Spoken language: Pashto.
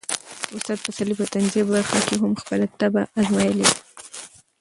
استاد پسرلي په طنزيه برخه کې هم خپله طبع ازمایلې وه.